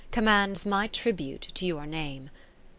Commands my tribute to your name.